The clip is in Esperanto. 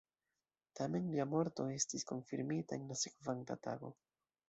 Tamen, lia morto estis konfirmita en la sekvanta tago.